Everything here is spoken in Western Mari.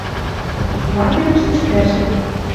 Лагерьӹштӹш пӓшӓ: